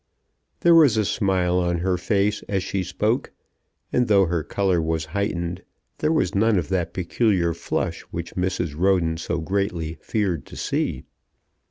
There was a smile on her face as she spoke, and, though her colour was heightened, there was none of that peculiar flush which Mrs. Roden so greatly feared to see.